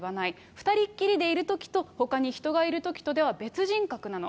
２人っきりでいるときとほかに人がいるときとでは別人格なの。